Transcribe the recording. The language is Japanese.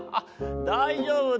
だいじょうぶだよ。